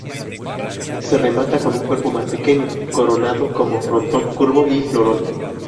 Se remata con un cuerpo más pequeño, coronado con frontón curvo y florón.